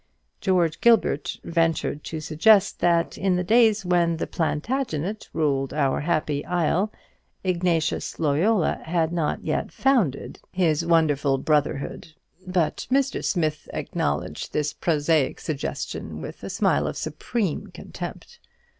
George Gilbert ventured to suggest that in the days when the Plantagenet ruled our happy isle, Ignatius Loyola had not yet founded his wonderful brotherhood; but Mr. Smith acknowledged this prosaic suggestion with a smile of supreme contempt.